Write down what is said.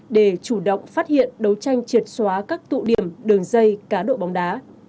để chủ động phát hiện đấu tranh triệt xóa các tụ điểm đường dây cá độ bóng đá